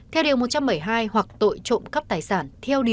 theo điều một trăm bảy mươi hai hoặc tội trộm cắp tài sản